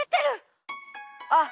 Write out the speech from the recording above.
あっ！